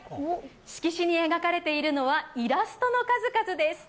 色紙に描かれているのはイラストの数々です。